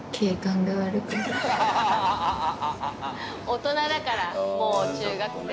大人だからもう中学生。